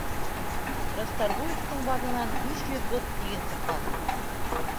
— Расторгуевтың баҙынан биш йөҙ бот иген сыҡҡан.